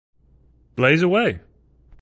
Blaze Away!